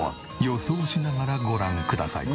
予想しながらご覧ください。